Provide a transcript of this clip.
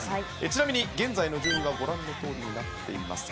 ちなみに現在の順位はご覧のとおりになっています。